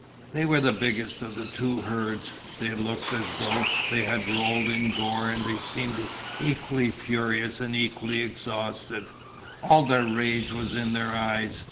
They were the biggest of the two herds; they looked as though they had been rolled in gore and they seemed equally furious and equally exhausted. All their rage was in their eyes.